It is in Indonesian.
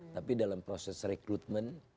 tapi dalam proses rekrutmen